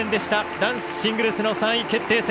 男子シングルスの３位決定戦。